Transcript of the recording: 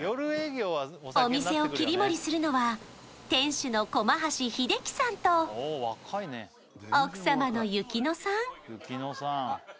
お店を切り盛りするのは店主の駒橋英樹さんと奥様の夕妃乃さん